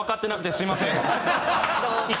すいません。